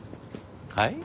はい？